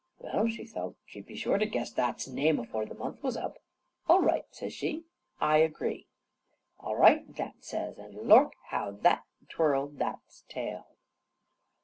Well, she thowt she'd be sure to guess that's name afore the month was up. "All right," says she, "I agree." "All right," that says, an' lork! how that twirled that's tail.